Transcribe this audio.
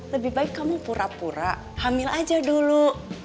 lebih baik kamu pura pura hamil aja dulu